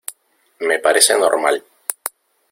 me parece normal.